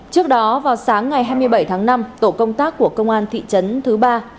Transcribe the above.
trước đó vào sáng ngày hai mươi bảy tháng năm tổ công tác của công an thị trấn thứ ba